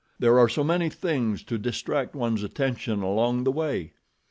There are so many things to distract one's attention along the way.